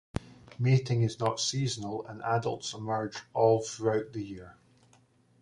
Mating is not seasonal and adults emerge all throughout the year.